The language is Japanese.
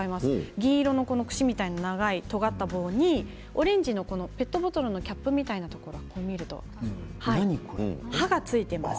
銀色の串みたいな長いとがった方にオレンジのペットボトルのキャップみたいなところ刃がついています。